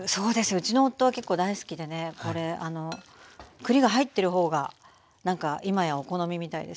うちの夫は結構大好きでねこれあの栗が入ってる方がいまやお好みみたいですけど。